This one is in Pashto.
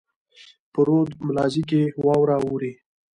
په رود ملازۍ کښي واوره اوري.